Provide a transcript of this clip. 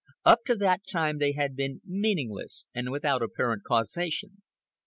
Up to that time they had been meaningless and without apparent causation.